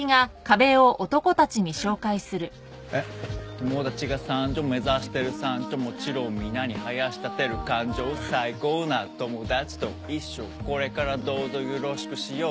「友だちが参上目指してる山頂」「もちろんみなに囃し立てる感情」「最高な友達と一緒これからどうぞよろしくしよう」